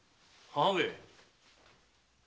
母上。